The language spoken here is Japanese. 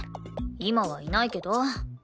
今はいないけど。